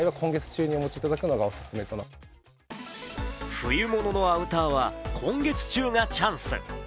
冬物のアウターは今月中がチャンス。